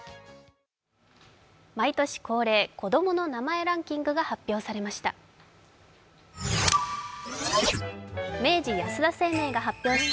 毎年恒例、子供の名前ランキングが発表されました。